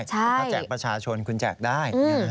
ถ้าแจกประชาชนคุณแจกได้